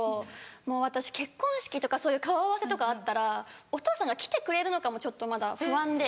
もう私結婚式とかそういう顔合わせとかあったらお父さんが来てくれるのかもちょっとまだ不安で。